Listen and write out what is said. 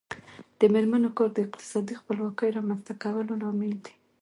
د میرمنو کار د اقتصادي خپلواکۍ رامنځته کولو لامل دی.